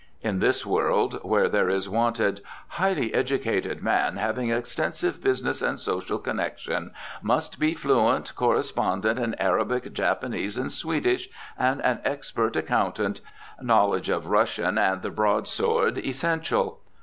In this world where there is wanted: "Highly educated man, having extensive business and social connection. Must be fluent correspondent in Arabic, Japanese, and Swedish, and an expert accountant. Knowledge of Russian and the broadsword essential.